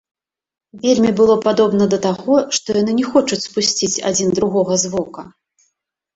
Вельмі было падобна да таго, што яны не хочуць спусціць адзін другога з вока.